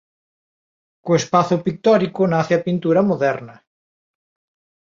Co espazo pictórico nace a pintura moderna.